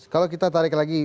kalau kita tarik lagi